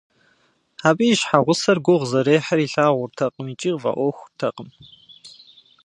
Абы и щхьэгъусэр гугъу зэрехьыр илъагъуртэкъым икӏи къыфӏэӏуэхутэкъым.